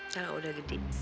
kalau udah gede